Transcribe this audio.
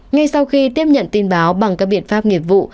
ngay sau khi tiếp nhận tin báo bằng các biện pháp nghiệp vụ